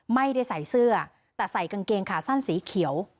ไม่ได้ใส่เสื้อแต่ใส่กางเกงขาสั้นสีเขียว